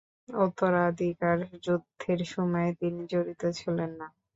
উত্তরাধিকার যুদ্ধের সময়েও তিনি জড়িত ছিলেন না।